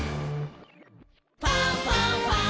「ファンファンファン」